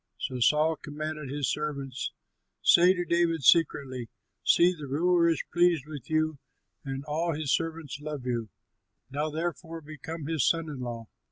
So Saul commanded his servants, "Say to David secretly: 'See, the ruler is pleased with you and all his servants love you; now therefore become his son in law.'"